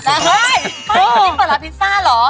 เฮ้ยจริงเปิดร้านพิซซ่าเหรอ